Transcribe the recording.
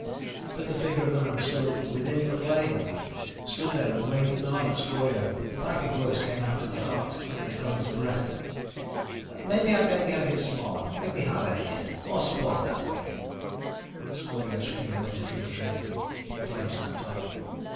But the figure of the man stood within the flame! Stood there and waved an arm at Scorio. The piping voice came out of the heart of the gun's breath. "Maybe I'd better get a bit smaller. Make me harder to hit. More sport that way." Scorio's finger lifted from the trigger. The flame snapped off.